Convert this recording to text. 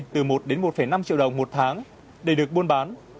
từ một đến một năm triệu đồng một tháng để được buôn bán